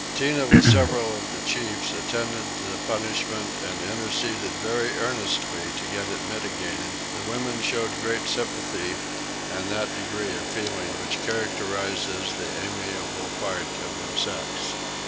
Tinah with several of the chiefs attended the punishment and interceded very earnestly to get it mitigated: the women showed great sympathy and that degree of feeling which characterises the amiable part of their sex.